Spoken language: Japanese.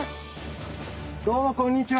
どうもこんにちは。